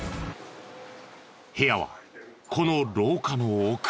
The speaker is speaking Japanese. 部屋はこの廊下の奥。